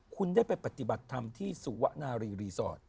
คุณได้ไปปฏิบัติธรรมที่สุวนารีรีสอร์ท